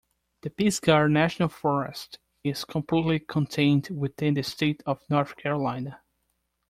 The Pisgah National Forest is completely contained within the state of North Carolina.